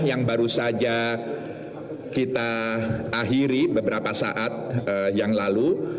yang baru saja kita akhiri beberapa saat yang lalu